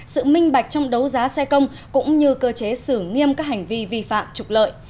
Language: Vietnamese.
sự minh bạch trong đấu giá xe công cũng như cơ chế xử nghiêm các hành vi vi phạm trục lợi